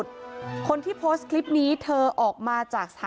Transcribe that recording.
มีแต่เสียงตุ๊กแก่กลางคืนไม่กล้าเข้าห้องน้ำด้วยซ้ำ